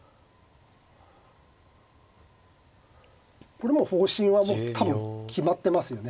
これもう方針は多分決まってますよね。